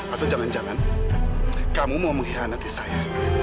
atau jangan jangan kamu mau mengkhianati saya